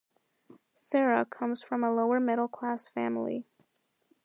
Serra comes from a lower middle class family.